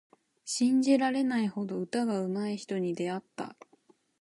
信じられないほど歌がうまい人に出会った。